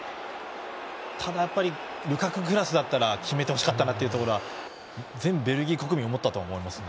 ただ、やっぱりルカククラスだったら決めてほしかったなというところは全ベルギー国民思ったと思いますよね。